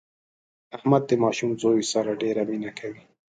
احمد د ماشوم زوی سره ډېره مینه کوي.